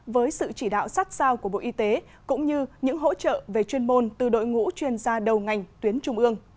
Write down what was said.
với sự chỉ đạo sát sao của bộ y tế cũng như những hỗ trợ về chuyên môn từ đội ngũ chuyên gia đầu ngành tuyến trung ương